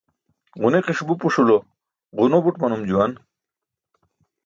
Ġuniki̇ṣ bupuṣulo ġuno buṭ manum juwan.